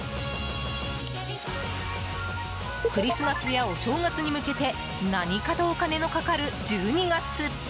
クリスマスやお正月に向けて何かとお金のかかる１２月。